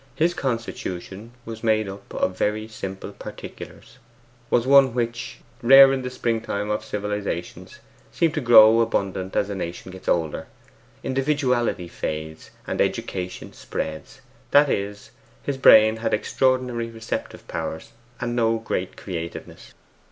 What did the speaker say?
His constitution was made up of very simple particulars; was one which, rare in the spring time of civilizations, seems to grow abundant as a nation gets older, individuality fades, and education spreads; that is, his brain had extraordinary receptive powers, and no great creativeness.